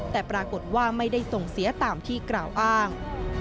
แต่ปรากฏว่าไม่ได้ส่งเสียตามที่กล่าวอ้าง